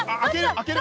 開ける？